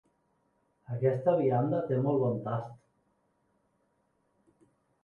Aquesta vianda té molt bon tast.